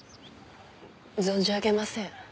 存じ上げません。